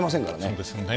そうですよね。